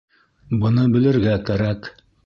Быны белергә кәрәк